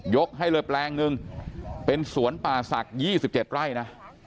ให้เลยแปลงหนึ่งเป็นสวนป่าศักดิ์๒๗ไร่นะ